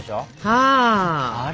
はあ！